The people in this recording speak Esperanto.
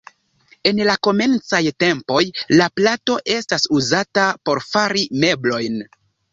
En la komencaj tempoj la plato estas uzata por fari meblojn.